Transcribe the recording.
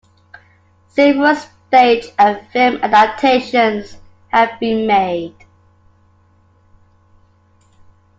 Several stage and film adaptations have been made.